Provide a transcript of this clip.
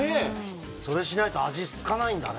それしないと味つかないんだね